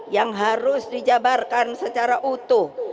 yang harus dijabarkan secara utuh